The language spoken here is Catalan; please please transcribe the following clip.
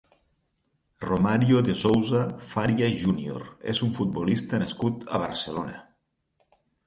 Romário de Souza Faria Júnior és un futbolista nascut a Barcelona.